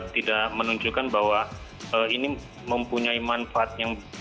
tidak menunjukkan bahwa ini mempunyai manfaat yang